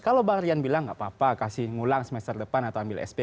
kalau bang rian bilang nggak apa apa kasih ngulang semester depan atau ambil sp